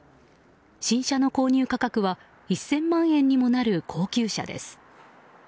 新車の購入価格は１０００万円にもなる高級車です。